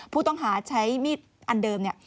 ผู้ต้องหาใช้มีดอันเดิมเนี่ย